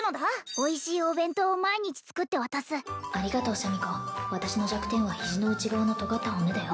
おいしいお弁当を毎日作って渡すありがとうシャミ子私の弱点は肘の内側のとがった骨だよ